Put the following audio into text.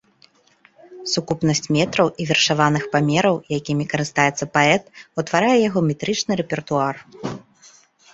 Сукупнасць метраў і вершаваных памераў, якімі карыстаецца паэт, утварае яго метрычны рэпертуар.